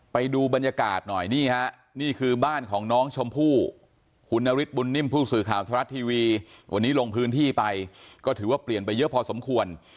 ไปดูบรรยากาศหน่อยนี่ฮะนี่คือบ้านของน้องชมพู่คุณนฤทธบุญนิ่มผู้สื่อข่าวทรัฐทีวีวันนี้ลงพื้นที่ไปก็ถือว่าเปลี่ยนไปเยอะพอสมควร